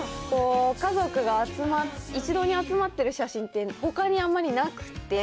家族が一堂に集まってる写真って、ほかにあんまりなくって。